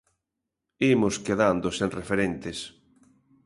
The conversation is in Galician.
Imos quedando sen referentes.